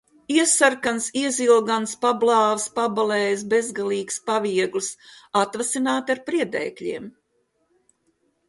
Iesarkans, iezilgans, pablāvs, pabalējis, bezgalīgs, paviegls. Atvasināti ar priedēkļiem.